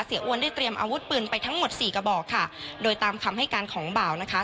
อ้วนได้เตรียมอาวุธปืนไปทั้งหมดสี่กระบอกค่ะโดยตามคำให้การของบ่าวนะคะ